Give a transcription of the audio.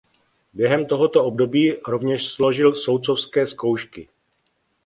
Během tohoto období rovněž složil soudcovské zkoušky.